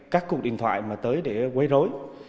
các cuộc điện thoại mà tới để quay rối